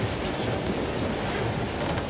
ถือว่าชีวิตที่ผ่านมายังมีความเสียหายแก่ตนและผู้อื่น